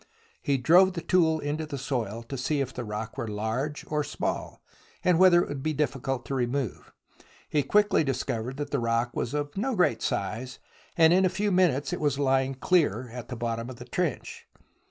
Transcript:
He drove the tool into the soil to see if the rock were large or small, and whether it would be difficult to remove. He quickly dis covered that the rock was of no great size, and in a few minutes it was lying clear at the bottom of the trench.